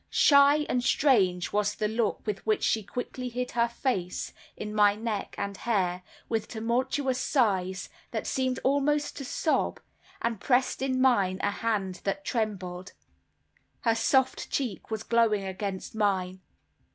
Shy and strange was the look with which she quickly hid her face in my neck and hair, with tumultuous sighs, that seemed almost to sob, and pressed in mine a hand that trembled. Her soft cheek was glowing against mine.